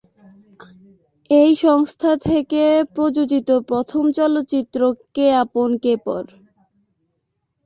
এই সংস্থা থেকে প্রযোজিত প্রথম চলচ্চিত্র "কে আপন কে পর"।